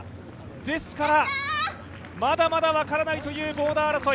ですから、まだまだ分からないというボーダー争い。